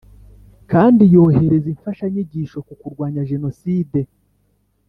kandi yohereza Imfashanyigisho ku kurwanya Jenoside